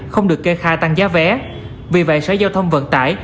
không được kê khai tăng giá vé vì vậy sở giao thông vận tải